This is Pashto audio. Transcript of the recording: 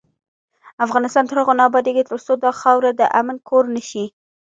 افغانستان تر هغو نه ابادیږي، ترڅو دا خاوره د امن کور نشي.